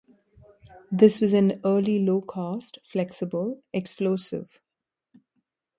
This was an early low-cost, flexible explosive.